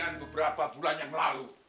dengan beberapa bulan yang lalu